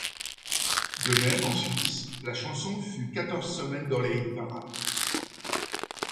De même en Suisse la chanson fut quatorze semaines dans les hit-parades.